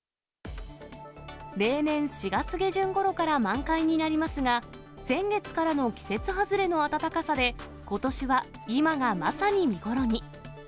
例年、４月下旬ごろから満開になりますが、先月からの季節外れの暖かさで、ことしは今がまさに見頃に。